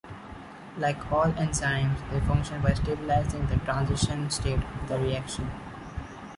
Like all enzymes, they function by stabilizing the transition state of the reaction.